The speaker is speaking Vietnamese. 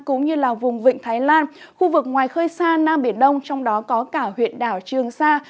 cũng như là vùng vịnh thái lan khu vực ngoài khơi xa nam biển đông trong đó có cả huyện đảo trường sa